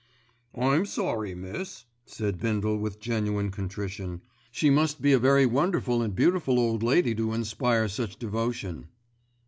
"I'm sorry, miss," said Bindle with genuine contrition. "She must be a very wonderful and beautiful old lady to inspire such devotion."